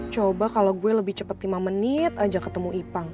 coba kalau gue lebih cepat lima menit aja ketemu ipang